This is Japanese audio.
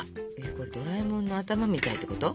これドラえもんの頭みたいってこと？